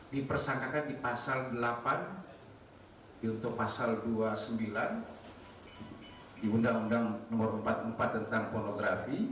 dipersangkakan di pasal delapan untuk pasal dua puluh sembilan di undang undang nomor empat puluh empat tentang pornografi